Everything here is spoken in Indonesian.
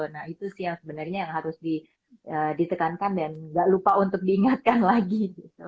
nah itu sih yang sebenarnya yang harus ditekankan dan gak lupa untuk diingatkan lagi gitu